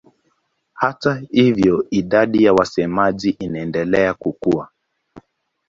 Hata hivyo idadi ya wasemaji inaendelea kukua.